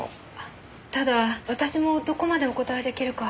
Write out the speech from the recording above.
ただ私もどこまでお答え出来るか。